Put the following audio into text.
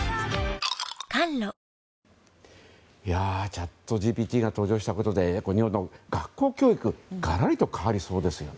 チャットＧＰＴが登場したことで日本の学校教育がらりと変わりそうですね。